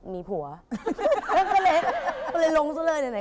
ที่เป็นเป็นพระตันที่๓